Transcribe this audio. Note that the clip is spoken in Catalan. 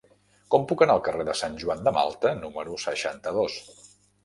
Com puc anar al carrer de Sant Joan de Malta número seixanta-dos?